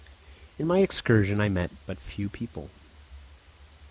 In my excursion I met but few people.